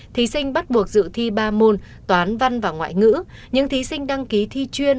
thí sinh bắt buộc dự thi ba môn toán văn và ngoại ngữ những thí sinh đăng ký thi chuyên